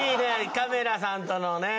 カメラさんとのね